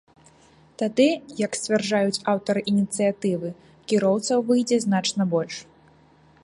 Тады, як сцвярджаюць аўтары ініцыятывы, кіроўцаў выйдзе значна больш.